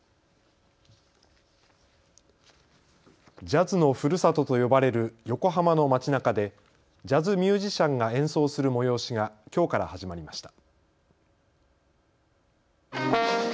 ジャズのふるさとと呼ばれる横浜の街なかでジャズミュージシャンが演奏する催しがきょうから始まりました。